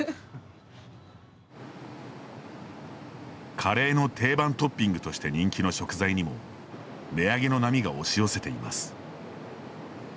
カレーの定番トッピングとして人気の食材にも値上げの波が押し寄せています。